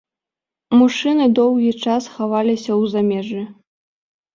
Мужчыны доўгі час хаваліся ў замежжы.